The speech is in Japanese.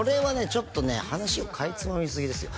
ちょっとね話をかいつまみすぎですよ